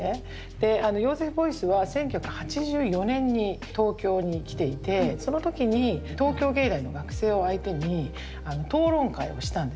でヨーゼフ・ボイスは１９８４年に東京に来ていてその時に東京藝大の学生を相手に討論会をしたんですよ。